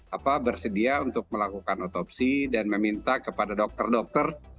apa bersedia untuk melakukan otopsi dan meminta kepada dokter dokter